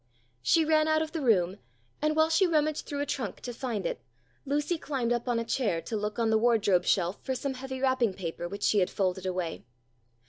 She ran out of the room, and, while she rummaged through a trunk to find it, Lucy climbed up on a chair to look on the wardrobe shelf for some heavy wrapping paper which she had folded away.